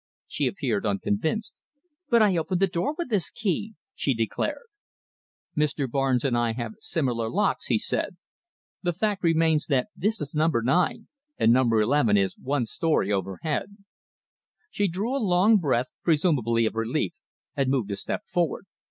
She appeared unconvinced. "But I opened the door with this key," she declared. "Mr. Barnes and I have similar locks," he said. "The fact remains that this is number 9, and number 11 is one story overhead." She drew a long breath, presumably of relief, and moved a step forward.